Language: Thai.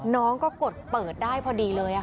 น้องก็กดเปิดได้พอดีเลย